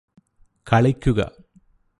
കളിക്കുക